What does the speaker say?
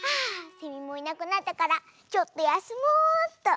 セミもいなくなったからちょっとやすもうっと。